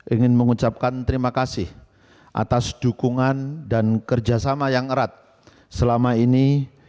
ingin mengucapkan terima kasih atas dukungan dan kerjasama yang erat selama ini